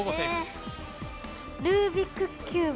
ルービックキューブ。